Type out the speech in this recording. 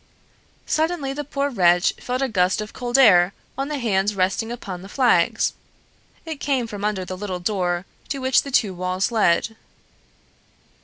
Suddenly the poor wretch felt a gust of cold air on the hands resting upon the flags; it came from under the little door to which the two walls led.